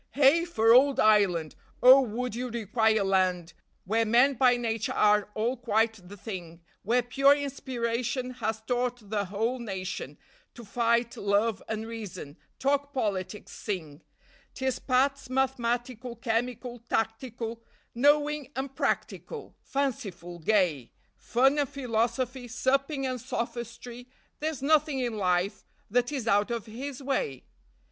Heigh for ould Ireland! Oh, would you require a land Where men by nature are all quite the thing, Where pure inspiration has taught the whole nation To fight, love, and reason, talk politics, sing; 'Tis Pat's mathematical, chemical, tactical, Knowing and practical, fanciful, gay, Fun and philosophy, supping and sophistry, There's nothing in life that is out of his way.